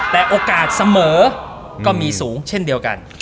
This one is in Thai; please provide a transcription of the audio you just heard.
แต่โอกาสเสมอก็มีสูงเช่นเดียวกัน